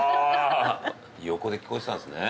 横で聞こえてたんですね。